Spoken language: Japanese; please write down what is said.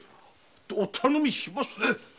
お頼み申しますぞ。